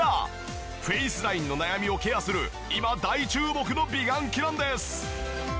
フェイスラインの悩みをケアする今大注目の美顔器なんです。